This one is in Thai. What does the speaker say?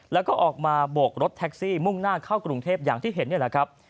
แล้วก็ออกมาโบกรถแท็กซี่มุ่งหน้าเข้ากรุงเทพอย่างที่เห็นนี่แหละครับ